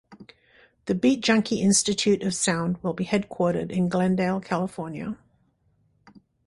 The Beat Junkie Institute of Sound will be headquartered in Glendale, California.